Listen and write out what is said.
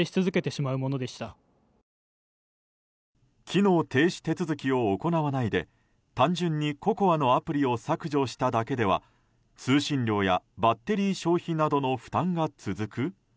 機能停止手続きを行わないで単純にＣＯＣＯＡのアプリを削除しただけでは通信料やバッテリー消費などの負担が続く？